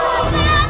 berarti yang itu